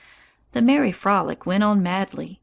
The merry frolic went on madly.